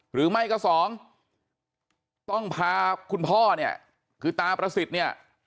หรือไม่ก็สองต้องพาคุณพ่อเนี่ยคือตาประสิทธิ์เนี่ย